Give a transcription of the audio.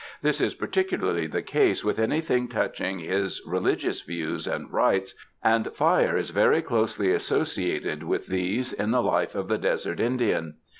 This is particularly the case with anything touching his re ligious views and rites, and fire is very closely as sociated with these, in the life of the desert Indian.